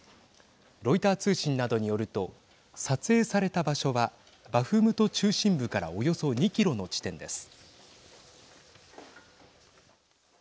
ロイター通信などによると撮影された場所はバフムト中心部からおよそ２キロの地点です。